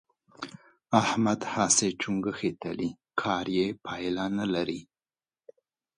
احمد هسې چنګوښې تلي؛ کار يې پايله نه لري.